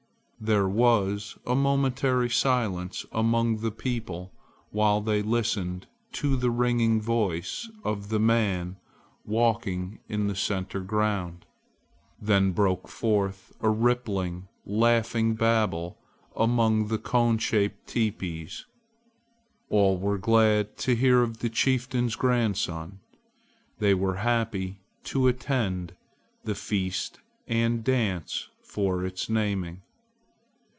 There was a momentary silence among the people while they listened to the ringing voice of the man walking in the center ground. Then broke forth a rippling, laughing babble among the cone shaped teepees. All were glad to hear of the chieftain's grandson. They were happy to attend the feast and dance for its naming.